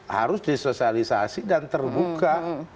harus disosialisasi dan terbuka